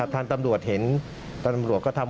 ทางตำรวจเห็นตำรวจก็ทำ